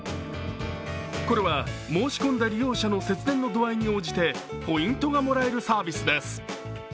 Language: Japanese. これは、申し込んだ利用者の節電の度合いに応じてポイントがもらえるサービスです。